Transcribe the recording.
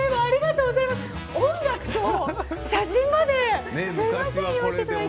音楽と写真まですみません。